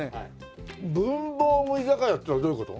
文房具居酒屋ってのはどういう事？